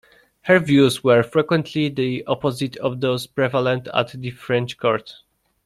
Her views were frequently the opposite of those prevalent at the French court.